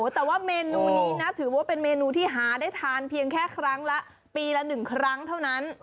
แต่ว่าเมนูนี้นะถือว่าเป็นเมนูที่หาได้ทานเพียงแค่ครั้งละปีละ๑ครั้งเท่านั้น